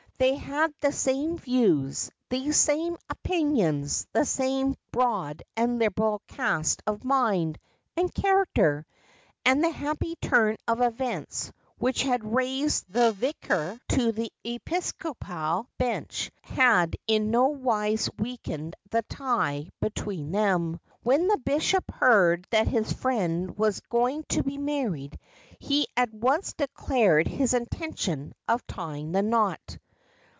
They had the same views, the same opinions, the same broad and liberal cast of mind and character ; and the happy turn of events which had raised the vicar to the episcopal bench had in no wise weakened the tie between them. When the bishop heard that his friend was going to be married he at once declared his intention of tying the knot.